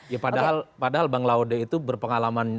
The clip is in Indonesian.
ya padahal bang laude itu berpengalaman